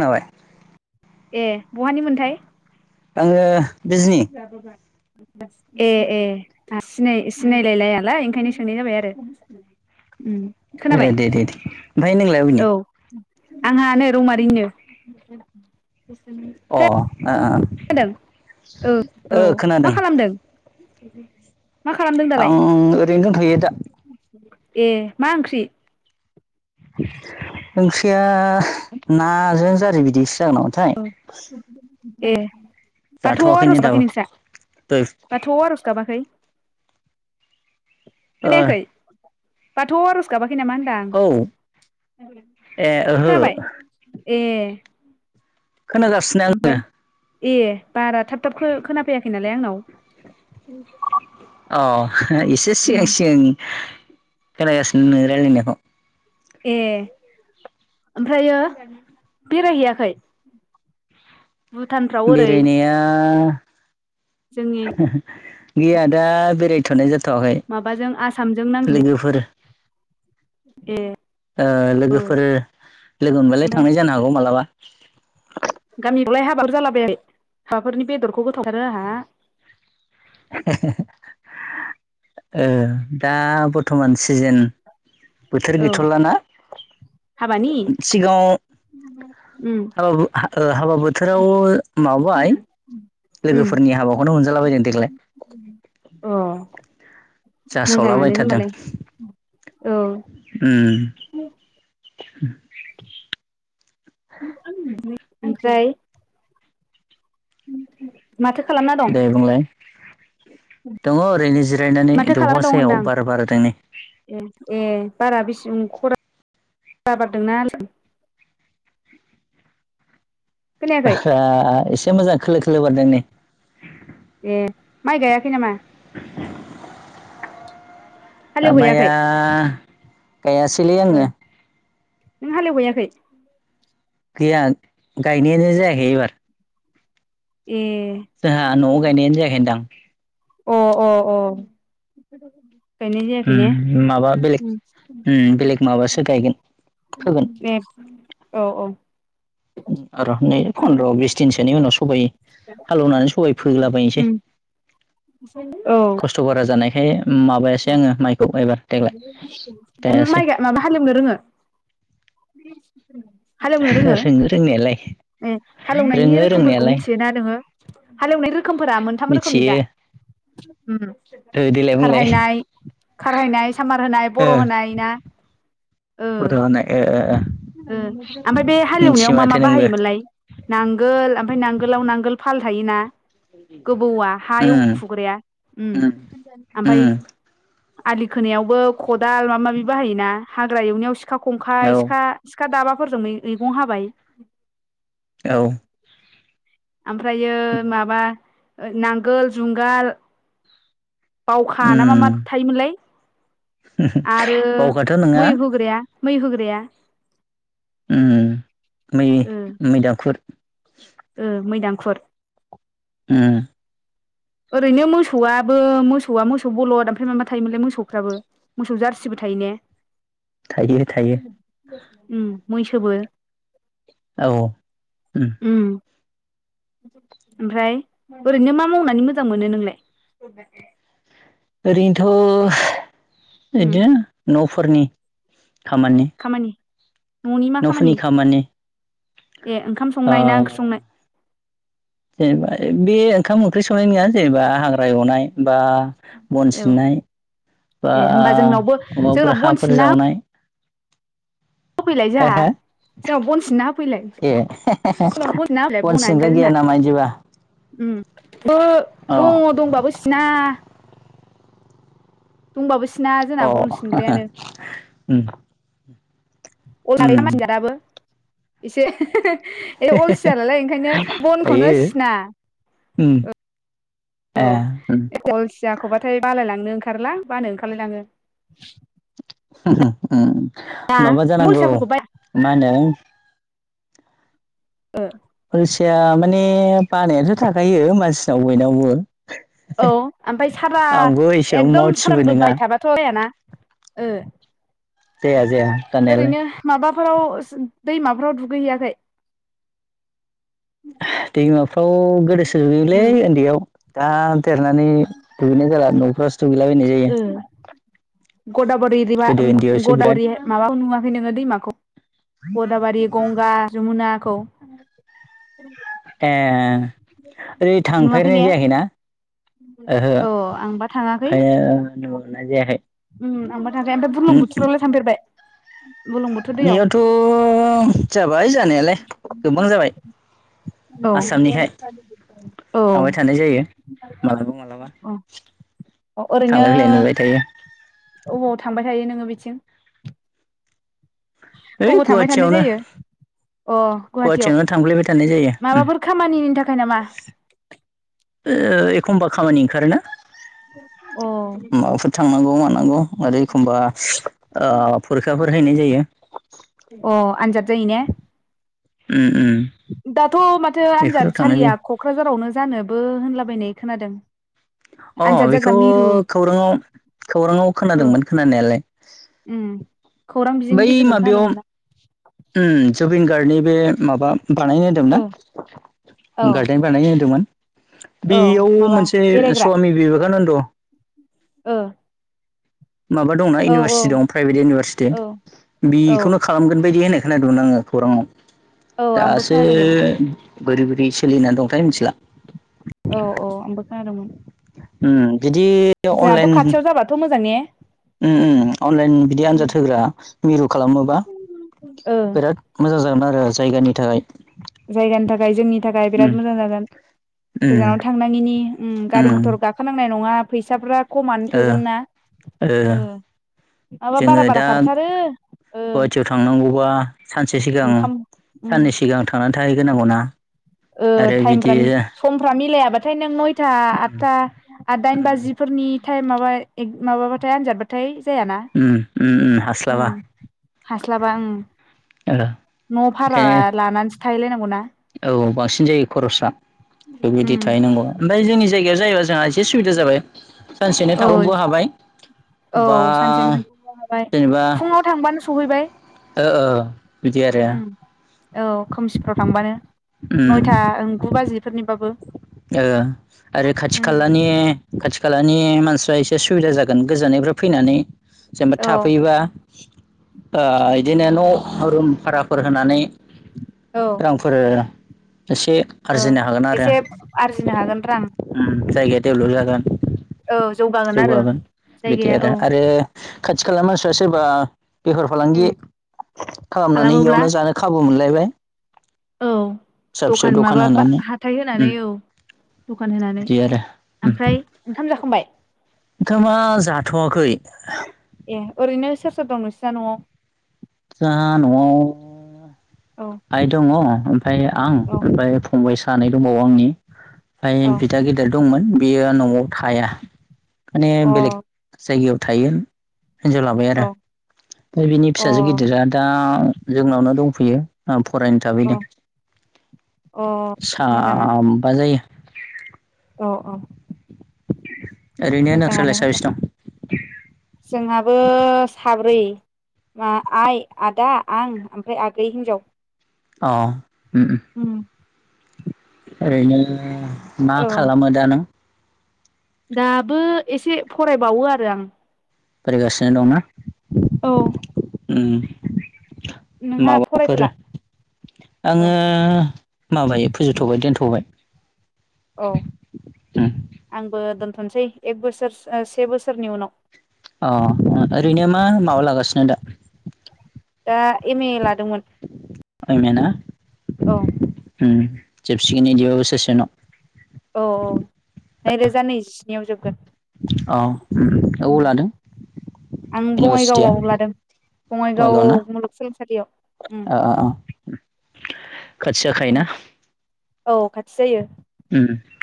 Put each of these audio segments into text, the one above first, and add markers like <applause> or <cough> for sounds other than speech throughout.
खोनाबाय? एह बहानि मोनथाय? आङो बिजनि। एह एह सिनाय सिनायलायलायालाय ओंखायनो सोंनाय जाबाय आरो। उम ए खोनाबाय दे दे दे ओमफ्राय नोंलाय अबेनि अ औ। आंहानो रौमारिनो अ' ओ ओ ओ। जादों औ औ मा खोनादों खालामदों? मा खालामदों दालाय आं ओरैनो दंथ'यो दा। ए मा ओंख्रि ओंख्रिया नाजों जारि बिदैसो जागोन नामाथाय ए बाथौ जाथ'वाखैनो आर'ज दाबो गाबाखै नोंस्रा दहाय बाथौ आर'ज गाबाखै ओ खोनायाखै बाथौ आर'ज गाबाखै नामा होनदां औ ए ओहो खोनाबाय ए खोनागासिनो आङो ओमफ्राय ए बारा थाब थाब खो खोनाफैयाखै नालाय आंनाव अ एसे उम सिगां सिगां खोनागासिनो नोंनि रायलायनायखौ ए ओमफ्रायो बेरायहैयाखै भुटानफ्राव ओरै बेरायनाया जोंनि गैया दा बेरायथ'नाय जा थवाखै माबाजों आसामजों नांनानै लोगोफोर ए ओ लोगोफोर लोगो मोनबालाय थांनाय जानो हागौ मालाबा गामिआवलाय हाबाफोर जालाबायाखै हाबाफोरनि बेदरखौ गोथाव मोनथारो आंहा ओ दा बर्थ'मान सिजोन बोथोर औ गैथ'लाना हाबानि सिगाङाव उम हाबाबो हा हाबा बोथोराव माबाबाय उम लोगोफोरनि हाबाखौनो मोनजालाबायदों देग्लाय अ जासावला मोजाङानो बायथारदों होनबालाय औ <inaudible> ओमफ्राय माथो खालामना दं दे बुंलाय दङ ओरैनो जिरायनानै माथो खालामना दंफां दं सायायाव होनदां बार बारदोंमोन नै ए ए बारा बेसेबां खरआ बारदोंना खोनायाखै बारा एसे मोजां खोलो खोलो बारदों नै ए माइ गायाखै नामा? <inaudible> दा हालेवहैयाखै माइया गायासैलै आङो नों हालेवहैयाखै। गैया गायनायानो जायाखै एबार। ए जोंहा न'आव गायनायानो जायाखै होनदां। अ अ अ। गायनाय जायाखै ने उम माबा बेलेग उम बेलेग माबासो गायगोन फोगोन दे औ औ। र' नै फन्द्र' बिस दिनसोनि उनाव। सबाइ हालौवनानै सबाइ फोहोलाबायसै। उम औ। माबायासै आङो माइ। नों माइ गा माबा हालेवनो रोङो। रोङो रोंनायालाय। ए हालेवनायनि रोङो रोखोमफोरखौ रोंनायालाय मिथियोना नोङो हालेवनाय रोखोमफोरा मोनथाम रोखोमनि मिथियो दा उम ओ देलाय बुंलाय खारहायनाय। खारहायनाय सामार होनाय ओ बर' होनाय ना ओ। फट' होनाय ओ ओ ओमफाय बे मिथियो हालेवनायाव मा मा माथो नोंबो बाहायोमोनलाय? नांगोल ओमफाय नांगोलाव नांगोल फाल थायोना? गोबौआ हा उम एवखुग्राया उम ओमफाय। उम आलि खोनायावबो खदाल माबा माबि बाहायोना हाग्रा एवनायावसो। सिखा खंखा औ सिखा सिखा दाबाफोरजों मैगं हाबाय। औ ओमफ्रायो माबा नांगोल जुंगाल। बावखा ना मा मा उम थायोमोनलाय आरो बावगाथ' नङा मै होग्राया। मै होग्राया। उम मै ओ मैदांखुर। ओ मैदांखुर। उम। ओरैनो मोसौआबो मोसौआ मोसौ बल'द ओमफ्राय माबा थायोमोनलाय मोसौफ्राबो मोसौ जारसिबो थायो थायो ने उम मैसोबो। औ उम ओमफ्राय ओरैनो मा मावनानै मोजां मोनो नोंलाय ओरैनोथ' उम बिदिनो न'फोरनि। खामानि न'नि मा न'फोरनि खामानि ए ओंखाम ओ संनाय ना ओंख्रि संनाय बे ओंखाम ओंख्रि संनाय नङा जेनेबा हाग्रा एवनाय बा बन औ सिबनाय बा ए होमबा जोंनावबो माबाफोर जोंनाव बन हाफोर जावनाय। सफैलाय हो जाहा हो जोंनाव बनसिनना होफैलाय ए जोंनाव बनसिना होफैलाय बन आ नो सिनग्रा गैला गैया जोंना नामा इदिबा उम औ दङ दंबाबो सिना दंबाबो सिना जोंना बन अ सिनग्रायानो उम उम अला मानसिनि जादाबो एसे ए अलसिया नालाय ओंखायनो थायो बनखौनो सिना उम औ ए उम अलसियाखौबाथाय बालायलांनो ओंखारोलां बानो ओंखारलायलाङो उ उम ना उम माबा नों जानांगौ अलसियाफोरखौ बाया मा होनो हलसिया माने बानायाथ' थाखायो मानसिनाव बयनावबो औ ओमफ्राय सारा आंबो एसेबां एकदम मावथिबो सारानबो नङा बायथाबाथ' जायाना ओ जाया जाया दाननायालाय फोराव दैमाफोराव दुगैहैयाखै दैमाफ्राव गोदोसो गुैयोलै उम उन्दैयाव दा देरनानै दुगैनाय जाला न'फ्रावसो दुगैलाबायनाय जायो गदावुरिबा गोदो उन्दैयावसो बिराद गदावुरि माबाखौ नुवाखै नोङो दैमाखौ गदाबारि गंगा जमुनाखौ ए ओरै नुवाखै थांफेरनाय ने जायाखैना ओहो औ आंबा थाङाखै ओखनो नुनाय जायाखै उम आंबो थांङाखै ओमफ्राय बुरलं बोथोरावलाय थांफेरबाय बुरलुंबुथुर दैयाव बेयावथ' जाबाय जानायालाय गोबां जाबाय औ आसामनिखाय औ थांबाय थानाय जायो माब्लाबा माब्लाबा अ ओरैनो अबावाव थांबाय थायो नोङो बिथिं ओइ अबाव थांबाय थानाय गुवाहाटियावनो जायो अ गुवाहाटियाव गुवाहाटियावनो थांफ्लायबाय थानाय जायो उम माबाफोर खामानिनि थाखाय नामा ओ एखमबा खामानि ओंखारोना अ माबाफोर थांनांगौ मानांगौ आरोै एखमबा ओब फरिखाफोर हैायनाय जायो दैनो उ दाथ' माथो थांनाय आनजादसालिया जायो क'क्राझारावनो जानोबो होनलाबायनाय खोनादों अ आनजाद जाग्रा बेखौ मिरु खौराङाव खौराङाव औ खोनादोंमोन खोनानायालाय उम खौरां बिजोंनि बै गेजेरजों माबायाव खोनादोंमोन ना ओ जुबिन गार्डनि बे माबा बानायनो होदोंमोन औ औ ना गार्डन बानायनो होदोंमोन औ बेयाव माबा मोनसे बेरायग्रा स्वामि बिबेकानन्द ओ माबा दंना औ औ इउनिभारसिटि दं प्राइभेट इउनिभारसिटि औ बि औ खौनो खालामगोन बायदि होनो खोनादोंमोन आङो खौराङाव औ आंबो दासो खोनादोंमोन बोरै बोरै सोलिनानै दंथाय मिथिला औ औ आंबो खोनादोंमोन उ बिदि जोंहाथ' अनलाइन खाथियाव जाबाथ' मोजां ने उम अनलाइन बिदि आनजाद होग्रा मिरु खालामोबा ओ बिराद मोजां ज खालामोन आरो जायगानि थाखाय जायगानि थाखाय जोंनि थाखाय उम बिराद मोजां जागोन उम गोजानाव थांनाङिनि उम गारि मथर गाखोनांनाय नङा फैसाफ्रा खमानो ओ थोगोन ना ओ जोङो दा ओ गुवाहाटियाव थांनांगौबा सानसे सिगां ओंखाम उम साननै सिगां थांनानै थाहैग्रोनांगौना ओ आरो टाइमफ्रा बिदि समफ्रा मिलायाबाथाय नों नयथा उम आदथा आ दाइन उम बाजिफोरनि टाइम माबा माबाबाथाय आनजादबाथाय जायाना उम उम ओ हास्लाबा हास्लाबा ओ ओ न' भारा बेखायनो लानानैसो थाहैलायनांगौना औ बांसिन जायो खरसा बेबायदि उम थाहैनांगौ ओमफ्राय जोंनि जायगायाव जायोबा जोंहा एसे सुबिदा जाबाय सानसेनो औ थाबनोबो हाबाय औ बा सानसेनोनो हाबाय जेनेबा फुङाव थांबानो सहैबाय ओ ओ बिदि आरो उम औ खोमसिफोराव थांबानो उम नयथा गु बाजिफोरनिबाबो आरो खाथि उम खालानि खाथि खालानि मानसिफ्रा एसे एसे सुबिदा जागोन गोजाननायफ्राय फैनानै जेनेबा औ थाफैबा ओ बिदिनो न' रुम भाराफोर होनानै औ रांफोरो एसे ओ आरजिनो हागोन आरो। एसे आरजिनो हागोन रां डेभलप जागोन औ आरो जौगागोन बिदि जायगाया आरो औ आरो खाथि खालाा सोरबा बेफार फालांगि उम खालामनानै खालामोब्ला इयावनो जानो खाबु मोनलायबाय औ फिसा फिसौ दखान माबा होनानै हाथाय उम होनानै औ दखान होनानै बिदि आरो ओमफ्राय ओंखाम जाखांबाय ओंखामआ जाथ'आाखै ए ओरैनो सोर सोर दं नोंसना न'आव जोंहा नआव औ आइ दङ ओमफफ्राय आं औ ओमफफ्राय फंबाय सानै दंबावो आंनि ओमाय औ बिदा गेदेर दंमोन बियो न'आव थाया माने बेलेग अ जायगायाव थायो हिनजाव लाबाय आरो औ ओमफ्राय बिनि अ फिसाजो गिदिरा दा जोंनावनो दंफैयो फरायनो अ थाबैदों। अ मोजाङानो साबबा जायो औ औ ओरैनो नोंस्रालाय मोजाङानो ह साबेसे दं जोंहाबो साब्रै म आइ आदा आं ओमफ्राय आगै हिनजाव अ उम ओरैनो मा औ खालामो दा नों दाबो एसे फरायबावो आरो आं फरायगासिनो दंना औ उम नोंहा माबाफोर फरायथ'ला औ आङो माबायो फोजोबथ'बाय दोनथ'बाय औ आंबो दोन- थ'नोसै एक बोसोर से बोसोरनि उनाव अ ओरैनो मा माबा लागासिनो दा दा एम ए लादोंमोन। ओइ मेना औ उम जेबसिखगोन बिदिबा बोसोरसे उनाव औ औ नैरोजा नैजिस्निआव जोब- औ उम उम औ लादों आं इउनिभारसिटिया बङाइगावआव लादों बङाइगाव मुलुगसोलोंसालियाव। <inaudible> ओ ओ खाथि जाखायो ना? औ खाथि जायो।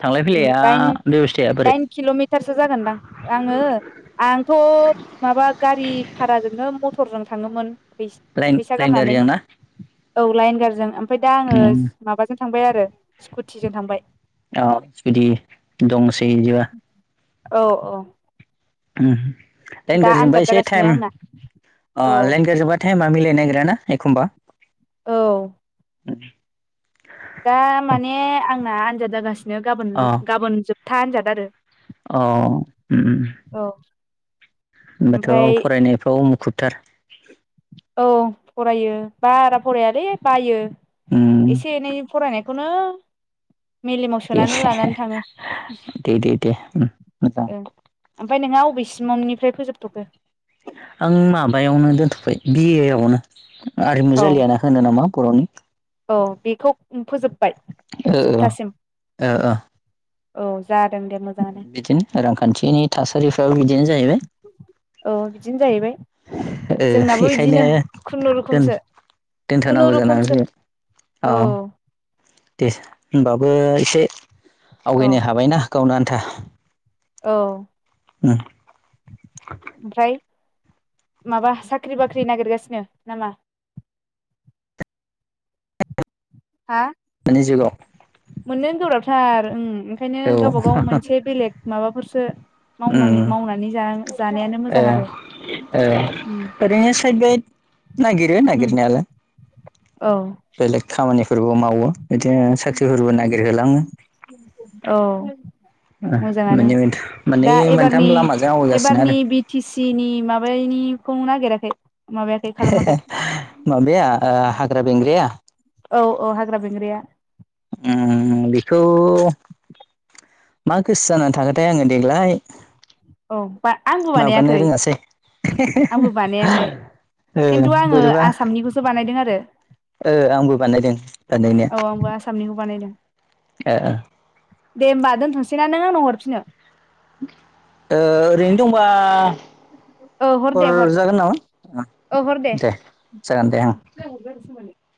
थांलाय दाइन फैलाया बे दाइन किल'मिटारसो जागोनदां आङो आंथ' माबा गारि भारा जोंनो मथरजों थाङोमोन लाइन फैसा लाइन गारनानै गारिजों ना औ लाइन गारजों ओमफ्राय दा आङो उम माबाजों थांबाय आरो स्कुटिजों थांबाय। औ स्कटि दंसै बिदिबा औ औ लाइन दा गारजोंबा आनजाद एसे जागासिनो टाइम आंना अ औ लाइन गारजोंबा टाइमा मिलायनोनागिराना एखमबा औ <inaudible> दा माने आंना आनजाद जागासिनो गाबोन अ गाबोन जोबथा आनजाद आरो। अ उम-उम औ होनबाथ' ओमफ्राय फरायनायफ्राव मुखुबथार औ फरायो बारा फरायालै बायो उम एसे एनै फरायनायखौनो मेलेमाव दे सोनानै लानानै थाङो दे दे दे उम मोजां ओमफाय नोंहा अबेसिमनिफ्राय फोजोबथ'खो आं माबायावनो दोनथ'बाय बि ए आवनो आरिमु औ जालिया होनो नामा बर'नि औ बेखौ फोजोब ओ-ओ-ओ-ओ औ जादों दे मोजाङानो बिदिनो रांखान्थिनि थासारिफ्राबो बिदिनो जाहैबाय अ बिदिनो जाहैबाय ओ जोंनाबो एखायनो बिदिनो दोन खुनुरुखुमसो नथारनांगौ जानानै खुनुरुखुमसो फैबाय औ दे होनबाबो एसे औ आवगायनो हाबायना गावनो आन्था औ उम ओमफ्राय माबा साख्रि बाख्रि नागिरगासिनो नामा हा <unintelligible> मोननोनो गोब्राबथार ओं ओंखायनो औ गावबा गाव मोनसे बेलेग माबाफोर उम मावनां मावनानै जानायानो मोजां आरो ए उम ओरैनो सायद बाद नागिरो नागिरो उम नागिरनायालाय औ बेलेग खामानिफोरबो मावो बिदिनो साख्रिफोरबो नागिरहोलाङो औ ओ मोजाङानो मोननै मोनथाम मोननै दा एबारनि मोनथाम लामाजों आवगाय गासिनो आरो एबारनि खौ नागेराखै? माबाया हाग्रा बेंग्राया औ-औ हाग्रा बेंग्राया उम बेखौ मा गोसो जानानै थाखोथाय आङो देग्लाय औ बा आंबो माबानो बानायाखै रोङासै आंबो बानायाखै ओ खिन्थु आङो बोरैबा आसामनिखौसो बानायदों आरो आंबो बानायदों बानाय औ आंबो नाया आसामनिखौ बानायदों ओ-ओ दे होमबा दोनथ'सैना नों आंनाव हरफिनो? ओरैनो दंबा <inaudible> ओ हर दे हर हरजागोन नामा ओ हर दे जागोन दे ओं